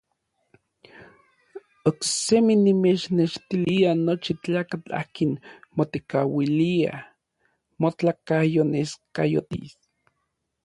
Oksemi nimechnextilia nochi tlakatl akin motekauilia motlakayoneskayotis.